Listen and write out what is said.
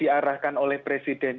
ini sebetulnya proses